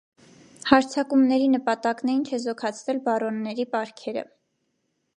Հարձակումների նպատակն էին չեզոքացնել բարոնների պարքերը։